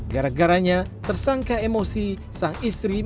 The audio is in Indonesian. gara garanya tersangka emosi